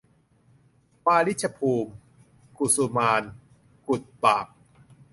วาริชภูมิ กุสุมาลย์ กุดบาก